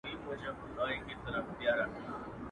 هغه ښه دي نه چي ستا پر عقل سم وي.